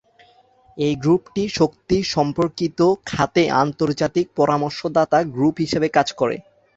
এই গ্রুপটি শক্তি সম্পর্কিত খাতে আন্তর্জাতিক পরামর্শদাতা গ্রুপ হিসেবে কাজ করে।